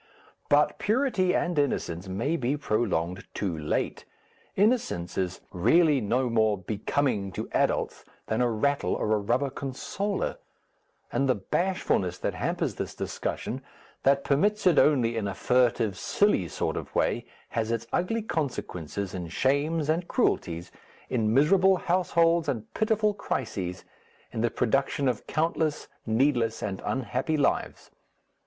But purity and innocence may be prolonged too late; innocence is really no more becoming to adults than a rattle or a rubber consoler, and the bashfulness that hampers this discussion, that permits it only in a furtive silly sort of way, has its ugly consequences in shames and cruelties, in miserable households and pitiful crises, in the production of countless, needless, and unhappy lives.